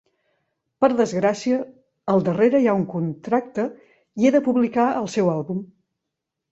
Per desgràcia al darrere hi ha un contracte i he de publicar el seu àlbum.